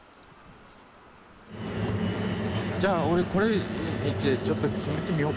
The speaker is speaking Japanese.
じゃあ俺これちょっと決めてみようかな。